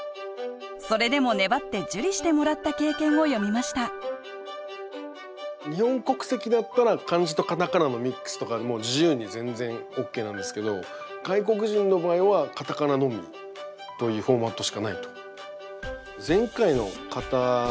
それでも粘って受理してもらった経験を詠みました日本国籍だったら漢字と片仮名のミックスとかでも自由に全然ＯＫなんですけど外国人の場合は片仮名のみというフォーマットしかないと。